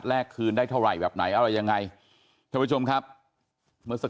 แลกคืนได้เท่าไหร่แบบไหนอรยง่ายทุกผู้ชมครับเมื่อสัก